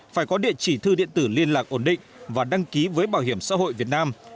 phải có địa chỉ thư điện tử liên lạc ổn định và đăng ký với bảo hiểm xã hội việt nam